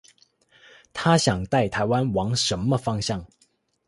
她想帶台灣往什麼方向